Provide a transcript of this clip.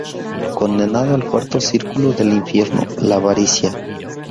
Condenado al cuarto círculo del infierno: la Avaricia.